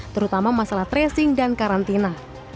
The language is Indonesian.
terutama masalah tracing dan karantina